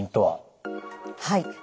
はい。